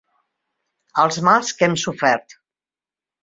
Els mals que hem sofert.